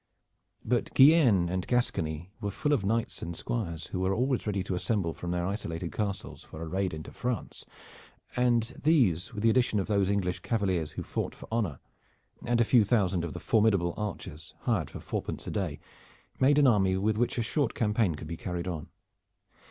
But Guienne and Gascony were full of knights and squires who were always ready to assemble from their isolated castles for a raid into France, and these with the addition of those English cavaliers who fought for honor, and a few thousand of the formidable archers, hired for fourpence a day, made an army with which a short campaign could be carried on.